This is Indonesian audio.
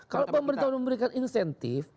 kalau pemerintah memberikan insentif